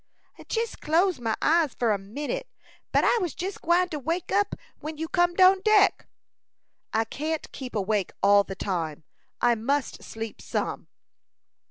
"I jes close my eyes for a minute, but I was jes gwine to wake up when you comed on deck." "I can't keep awake all the time; I must sleep some."